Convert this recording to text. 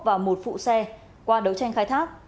và một phụ xe qua đấu tranh khai thác